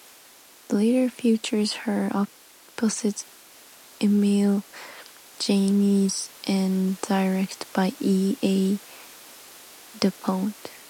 The latter featured her opposite Emil Jannings and directed by E. A. Dupont.